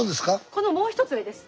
このもう一つ上です。